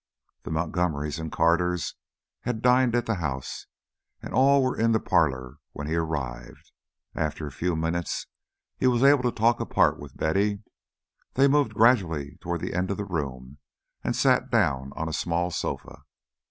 The Montgomery's and Carters had dined at the house, and all were in the parlour when he arrived. After a few minutes he was able to talk apart with Betty. They moved gradually toward the end of the room and sat down on a small sofa.